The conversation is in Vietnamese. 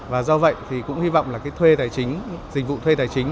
và do vậy thì cũng hy vọng là dịch vụ thuê tài chính